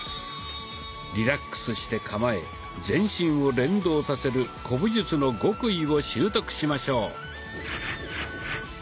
リラックスして構え全身を連動させる古武術の極意を習得しましょう。